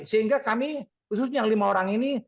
sehingga kami khususnya yang lima orang ini